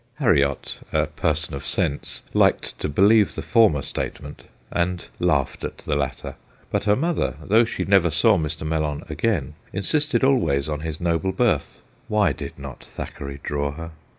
Harriot, a person of sense, liked to believe the former statement, and laughed at the latter. But her mother, though she never saw Mr. Mellon again, insisted always on his noble birth why did not Thackeray draw her